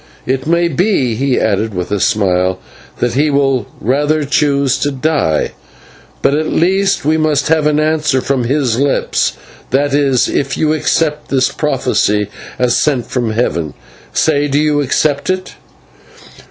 It may be " he added with a smile "that he will rather choose to die; but at the least we must have an answer from his lips that is, if you accept this prophecy as sent from heaven. Say, do you accept it?"